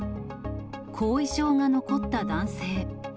後遺症が残った男性。